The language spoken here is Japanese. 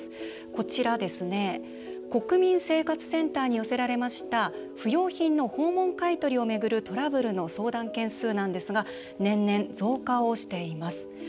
こちら国民生活センターに寄せられた不用品の訪問買い取りを巡るトラブルの相談件数なんですが年々、増加をしています。